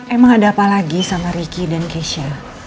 emang ada apa lagi sama ricky dan keisha